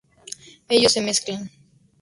Ellos se mezclan.